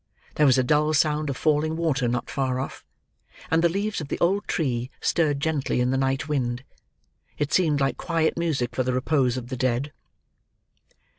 There was a dull sound of falling water not far off; and the leaves of the old tree stirred gently in the night wind. It seemed like quiet music for the repose of the dead.